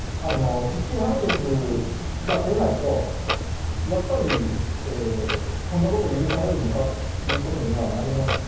実刑判決が出ないと、やっぱりこんなこと許されるのかということにはなります。